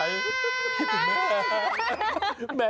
คิดถึงแม่